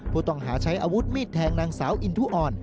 ผู้ต้องหาใช้อาวุธมีดแทงนางสาวอินทุอ่อน